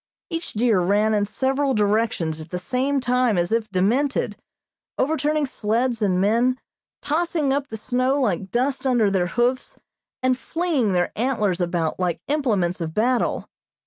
Each deer ran in several directions at the same time as if demented, overturning sleds and men, tossing up the snow like dust under their hoofs, and flinging their antlers about like implements of battle.